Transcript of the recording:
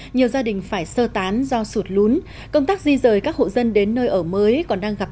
nhiều gia đình phải sơ tán do sụt lún công tác di rời các hộ dân đến nơi ở mới còn đang gặp